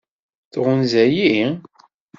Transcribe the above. Tɣunza-yi?